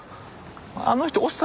あの人押したり。